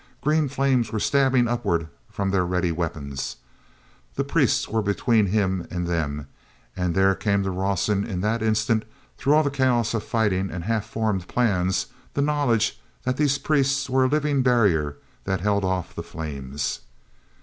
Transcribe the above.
Green flames were stabbing upward from their ready weapons. The priests were between him and them, and there came to Rawson in that instant, through all the chaos of fighting and half formed plans, the knowledge that these priests were a living barrier that held off the flames.